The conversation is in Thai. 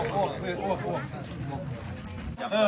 น้ำปลาบึกกับซ่าหมกปลาร่า